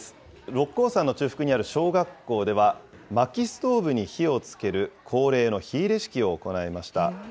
六甲山の中腹にある小学校では、まきストーブに火をつける恒例の火入れ式を行いました。